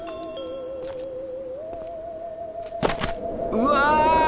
うわ！